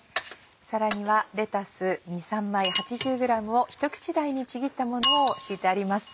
皿にはレタス２３枚８０ｇを一口大にちぎったものを敷いてあります。